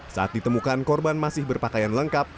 saat ditemukan korban masih berpakaian lengkap